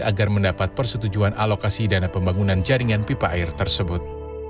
agar mendapat persetujuan alokasi dana pembangunan jaringan pipa air tersebut